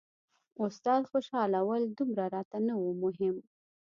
استاد خوشحالول دومره راته نه وو مهم.